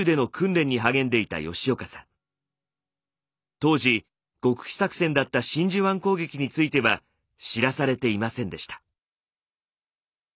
当時極秘作戦だった真珠湾攻撃については知らされていませんでした。